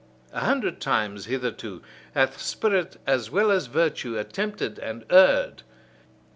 A hundred times hitherto hath spirit as well as virtue attempted and erred.